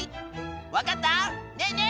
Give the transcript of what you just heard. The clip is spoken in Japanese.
わかった？ねえねえ！